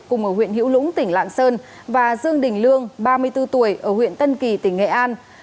cùng ở huyện hữu lũng tỉnh lạng sơn và dương đình lương ba mươi bốn tuổi ở huyện tân kỳ tỉnh nghệ an